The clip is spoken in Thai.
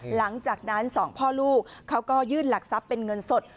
หลังจากนั้นสองพ่อลูกเขาก็ยื่นหลักทรัพย์เป็นเงินสด